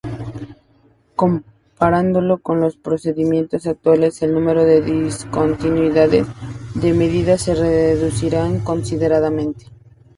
Comparándolo con los procedimientos actuales, el número de discontinuidades de medida se reducirá considerablemente.